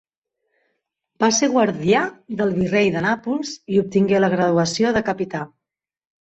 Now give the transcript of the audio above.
Va ser guardià del virrei de Nàpols i obtingué la graduació de capità.